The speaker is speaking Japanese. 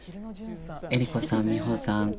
江里子さん、美穂さん